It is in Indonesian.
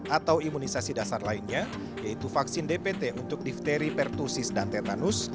atau imunisasi dasar lainnya yaitu vaksin dpt untuk diphteri pertusis dan tetanus